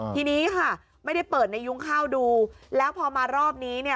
ทีนี้ค่ะไม่ได้เปิดในยุ้งข้าวดูแล้วพอมารอบนี้เนี่ย